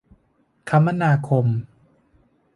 คมนาคม